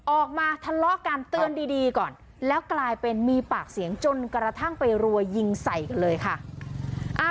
ออกมาทะเลาะกันเตือนดีก่อนแล้วกลายเป็นมีปากเสียงจนกระทั่งไปรัวยิงใส่กันเลยค่ะ